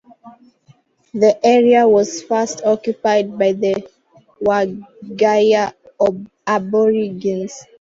The area was first occupied by the Wergaia Aborigines.